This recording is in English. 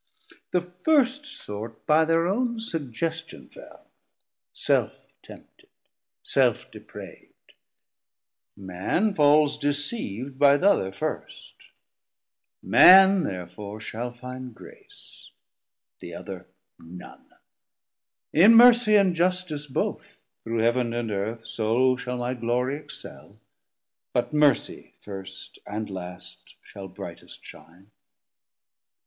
The first sort by thir own suggestion fell, Self tempted, self deprav'd: Man falls deceiv'd 130 By the other first: Man therefore shall find grace, The other none: in Mercy and Justice both, Through Heav'n and Earth, so shall my glorie excel, But Mercy first and last shall brightest shine.